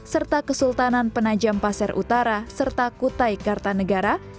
serta kesultanan penajam pasir utara serta kutai kartanegara